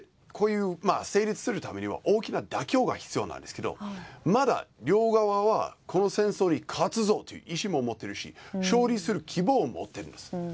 成立するためには大きな妥協が必要なんですけどまだ両側はこの戦争に勝つぞという意思も持ってるし勝利する希望も持ってるんです。